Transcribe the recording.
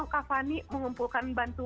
kak fani mengumpulkan bantuan